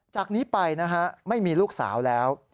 จากนี้ไปนะฮะไม่มีลูกสาวแล้ว